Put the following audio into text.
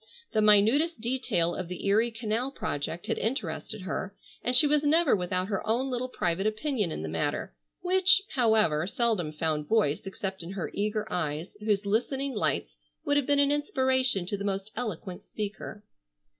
The minutest detail of the Erie canal project had interested her, and she was never without her own little private opinion in the matter, which, however, seldom found voice except in her eager eyes, whose listening lights would have been an inspiration to the most eloquent speaker.